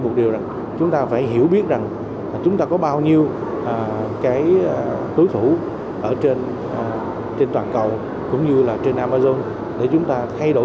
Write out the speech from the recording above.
trước tiên là phải nắm rõ cái đó